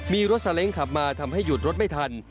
มีรถสาเล้งขับมาทำให้หยุดรถไม่ทัน